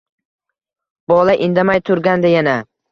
Bola indamay turgandi yana.